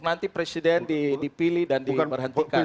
nanti presiden dipilih dan diberhentikan